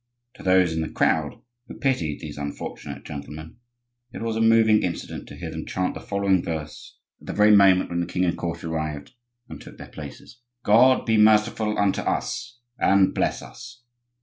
To those in the crowd who pitied these unfortunate gentlemen it was a moving incident to hear them chant the following verse at the very moment when the king and court arrived and took their places:— "God be merciful unto us, And bless us!